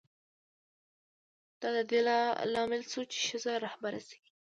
دا د دې لامل شو چې ښځه رهبره شي.